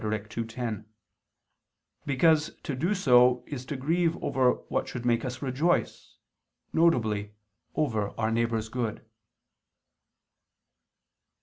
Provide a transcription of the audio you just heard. ii, 10), because to do so is to grieve over what should make us rejoice, viz. over our neighbor's good.